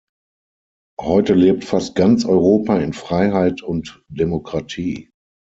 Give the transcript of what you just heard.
Heute lebt fast ganz Europa in Freiheit und Demokratie.